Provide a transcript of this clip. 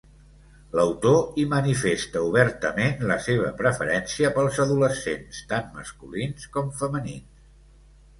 L'autor hi manifesta obertament la seva preferència pels adolescents, tant masculins com femenins.